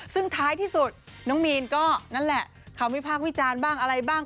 ซึ่งท้ายที่สุดน้องมีนก็นั่นแหละคำวิพากษ์วิจารณ์บ้างอะไรบ้าง